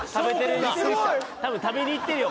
多分食べに行ってるよ